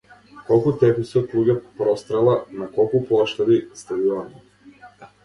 Колку теписи од луѓе прострела, на колку плоштади, стадиони.